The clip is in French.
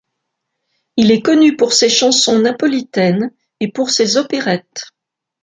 Il est connu pour ses chansons napolitaines et pour ses opérettes.